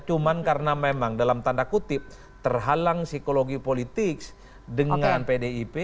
cuma karena memang dalam tanda kutip terhalang psikologi politik dengan pdip